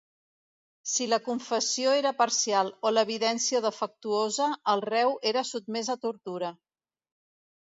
Si la confessió era parcial o l'evidència defectuosa, el reu era sotmès a tortura.